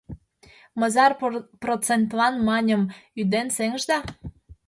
Мызар процентлан, маньым, ӱден сеҥышда?